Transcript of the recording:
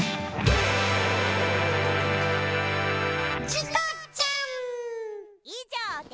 チコちゃん。